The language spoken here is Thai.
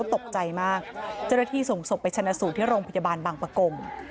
ตกใจมากเจ้าหน้าที่ส่งศพไปชนะสูตรที่โรงพยาบาลบางประกง